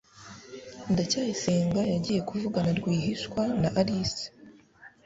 ndacyayisenga yagiye kuvugana rwihishwa na alice